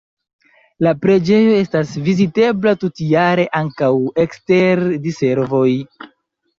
La preĝejo estas vizitebla tutjare, ankaŭ ekster diservoj.